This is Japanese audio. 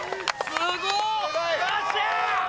すごい！